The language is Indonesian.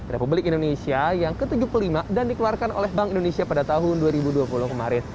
republik indonesia yang ke tujuh puluh lima dan dikeluarkan oleh bank indonesia pada tahun dua ribu dua puluh kemarin